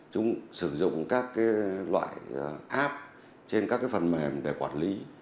chúng sử dụng các loại app trên các phần mềm để quản lý